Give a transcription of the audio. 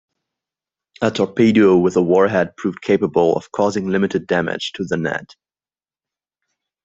A torpedo with a warhead proved capable of causing limited damage to the net.